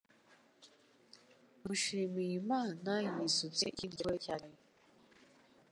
Mushimiyimana yisutse ikindi kirahure cya divayi